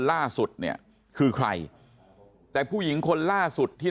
แล้วก็ยัดลงถังสีฟ้าขนาด๒๐๐ลิตร